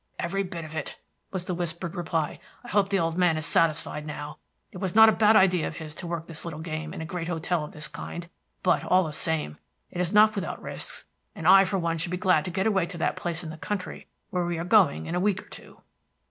"Every bit of it," was the whispered reply. "I hope the old man is satisfied now. It was not a bad idea of his to work this little game in a great hotel of this kind. But, all the same, it is not without risks, and I for one should be glad to get away to that place in the country where we are going in a week or two."